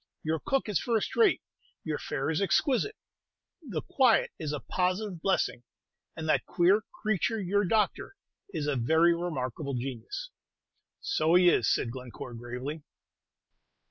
Your cook is first rate; your fare is exquisite; the quiet is a positive blessing; and that queer creature, your doctor, is a very remarkable genius." "So he is," said Glencore, gravely.